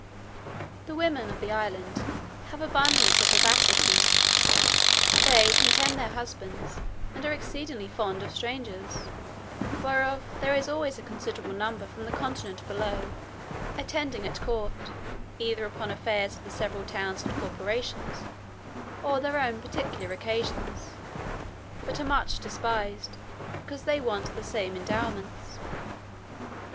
The women of the island have abundance of vivacity: they contemn their husbands, and are exceedingly fond of strangers, whereof there is always a considerable number from the continent below, attending at court, either upon affairs of the several towns and corporations, or their own particular occasions, but are much despised, because they want the same endowments.